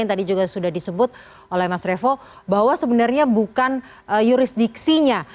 tadi juga sudah disebut oleh mas revo bahwa sebenarnya bukan jurisdiksinya